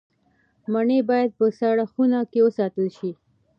مڼې باید په سړه خونه کې وساتل شي.